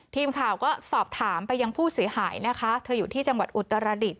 ทีมข่าวก็สอบถามไปยังผู้เสียหายนะคะเธออยู่ที่จังหวัดอุตรดิษฐ